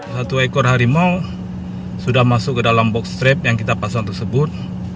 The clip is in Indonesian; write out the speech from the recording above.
satu ekor harimau sudah masuk ke dalam box trap yang kita pasang tersebut